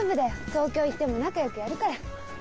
東京行っても仲よくやるから。